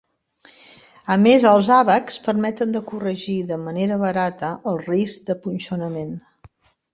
A més els àbacs permeten de corregir de manera barata el risc de punxonament.